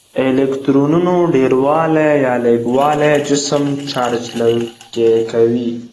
الکترونونو ډیروالی یا لږوالی جسم چارج لرونکی کوي.